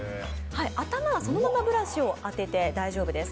頭はそのままブラシを当てて大丈夫です。